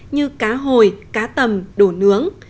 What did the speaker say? như cá hồi cá tầm đồ nướng